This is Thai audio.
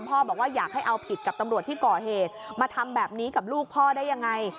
บอกว่าอยากให้เอาผิดกับตำรวจที่ก่อเหตุมาทำแบบนี้กับลูกพ่อได้ยังไง